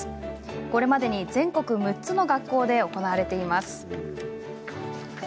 これまでに全国６つの学校で行われています。